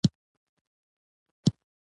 وسله وال یې کله تصرف کړي.